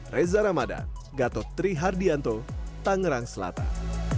reza ramadan gatot trihardianto tangerang selatan